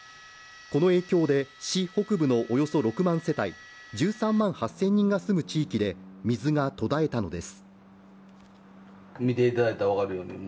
この影響で市北部のおよそ６万世帯、１３万８０００人が住む地域で水が途絶えたのです。